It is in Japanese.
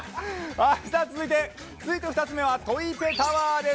続いて２つ目はトイペタワーです。